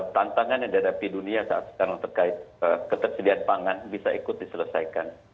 tantangan yang dihadapi dunia saat sekarang terkait ketersediaan pangan bisa ikut diselesaikan